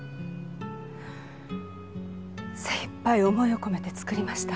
精いっぱい思いを込めて作りました。